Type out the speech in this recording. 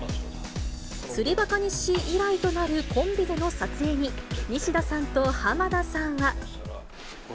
釣りバカ日誌以来となるコンビでの撮影に、西田さんと濱田さんは。